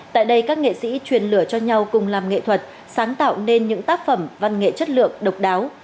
tại đây các nghệ sĩ truyền lửa cho nhau cùng làm nghệ thuật sáng tạo nên những tác phẩm văn nghệ chất lượng độc đáo